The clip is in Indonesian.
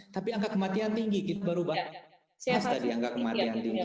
tapi angka kematian tinggi baru mas tadi angka kematian tinggi